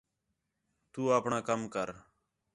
تُو اپݨا کم کر